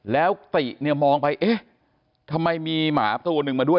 แล้วติรมาแล้วทำไมมีหมาก็ยังหนึ่งมาด้วย